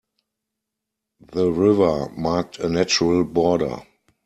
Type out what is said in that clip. The river marked a natural border.